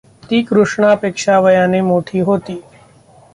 ती कृष्णा पेक्षा वयाने मोठी होती.